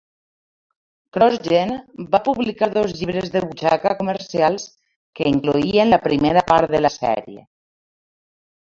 CrossGen va publicar dos llibres de butxaca comercials que incloïen la primera part de la sèrie.